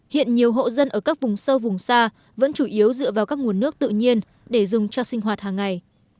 hiện nhiều hộ dân ở các vùng sâu vùng xa vẫn chủ yếu dựa vào các nguồn nước tự nhiên để dùng cho sinh hoạt hàng ngày